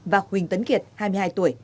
và huỳnh tấn kiệt hai mươi hai tuổi